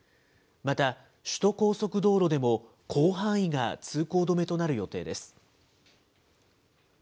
また、首都高速道路でも、広範囲が通行止めとなる予定です。